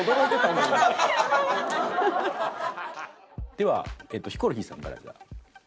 ではヒコロヒーさんからじゃあ。